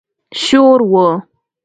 شور و.